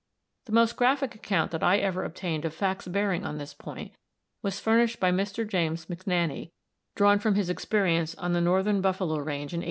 The most graphic account that I ever obtained of facts bearing on this point was furnished by Mr. James McNaney, drawn from his experience on the northern buffalo range in 1882.